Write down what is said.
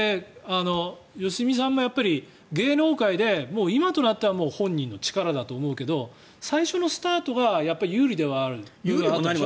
良純さんも芸能界で今となっては本人の力だと思うけど最初のスタートはやっぱり有利ではあるでしょ？